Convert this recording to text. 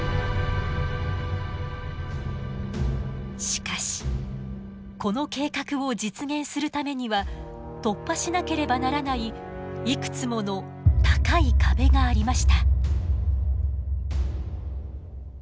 しかしこの計画を実現するためには突破しなければならないいくつもの高い壁がありました。